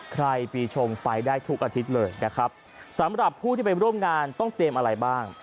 ปีชงไปได้ทุกอาทิตย์เลยนะครับสำหรับผู้ที่ไปร่วมงานต้องเตรียมอะไรบ้าง